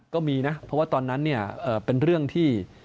ก็มีนะเพราะว่าตอนนั้นเนี่ยเป็นเรื่องที่